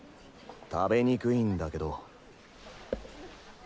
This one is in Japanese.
食べにくいんだけど。